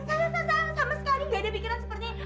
saya sama sekali gak ada pikiran seperti